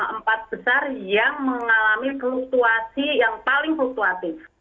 empat besar yang mengalami fluktuasi yang paling fluktuatif